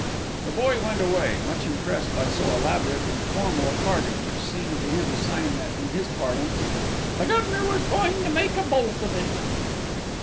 The boy went away, much impressed by so elaborate and formal a parting, which seemed to him a sign that, in his parlance, "the guv'nor was going to make a bolt of it."